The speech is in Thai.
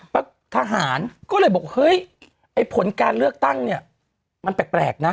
ปรับทหารก็เลยบอกเฮ้ยผลการเลือกตั้งมันแปลกนะ